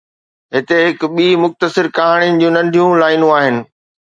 هتي هڪ ٻي مختصر ڪهاڻي جون ننڍيون لائينون آهن